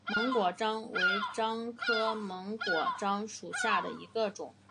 檬果樟为樟科檬果樟属下的一个种。